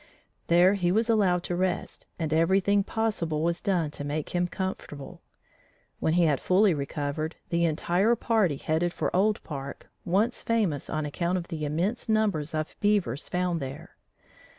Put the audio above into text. There he was allowed to rest and everything possible was done to make him comfortable. When he had fully recovered, the entire company headed for Old Park, once famous on account of the immense numbers of beavers found there.